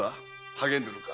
励んでおるか？